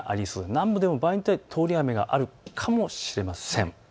南部でも場合によっては通り雨があるかもしれません。